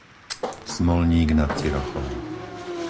Smolník nad Cirochou